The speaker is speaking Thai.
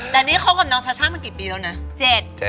แต่นี่คบกับน้องชาช่ามากี่ปีแล้วนะ